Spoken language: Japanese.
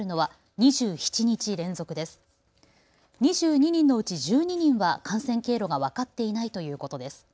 ２２人のうち１２人は感染経路が分かっていないということです。